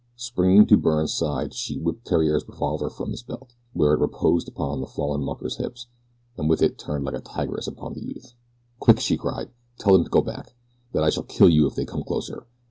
Springing to Byrne's side she whipped Theriere's revolver from his belt, where it reposed about the fallen mucker's hips, and with it turned like a tigress upon the youth. "Quick!" she cried. "Tell them to go back that I shall kill you if they come closer."